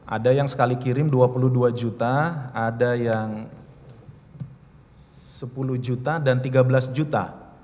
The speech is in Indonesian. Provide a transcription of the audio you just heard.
ada yang sekali kirim dua puluh dua juta ada yang sepuluh juta dan tiga belas juta